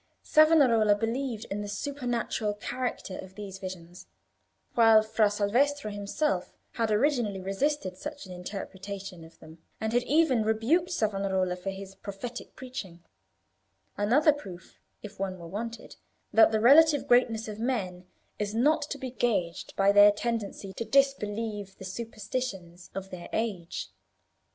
Savonarola believed in the supernatural character of these visions, while Fra Salvestro himself had originally resisted such an interpretation of them, and had even rebuked Savonarola for his prophetic preaching: another proof, if one were wanted, that the relative greatness of men is not to be gauged by their tendency to disbelieve the superstitions of their age.